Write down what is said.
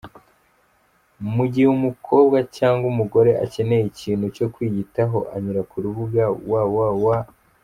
Mu gihe umukobwa cyangwa umugore akeneye ikintu cyo kwiyitaho, anyura ku rubuga www.